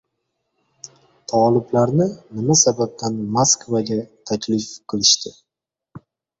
Toliblarni nima sababdan Moskvaga taklif qilishdi?